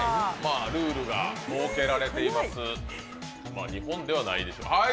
ルールが設けられています、日本ではないでしょう。